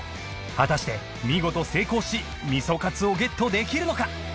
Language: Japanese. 果たして見事成功し味噌かつをゲットできるのか？